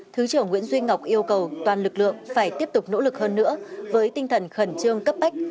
thứ trưởng nguyễn duy ngọc yêu cầu toàn lực lượng phải tiếp tục nỗ lực hơn nữa với tinh thần khẩn trương cấp bách